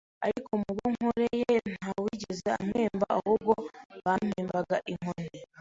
ariko mu bo nkoreye nta wigeze ampemba ahubwo bampembaga inkoni.